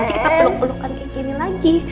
kita peluk pelukan kayak gini lagi